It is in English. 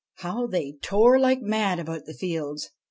How they tore like mad about the fields